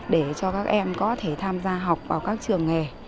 để cho các em có thể tham gia học vào các trường nghề